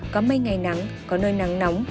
có mây ngày nắng có nơi nắng nóng